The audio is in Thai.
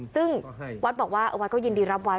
ซึ่งวัดบอกว่าวัดก็ยินดีรับไว้